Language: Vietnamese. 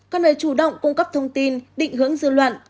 còn về chủ động cung cấp thông tin định hướng dư luận